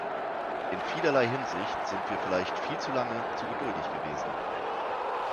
In vielerlei Hinsicht sind wir vielleicht viel zu lange zu geduldig gewesen.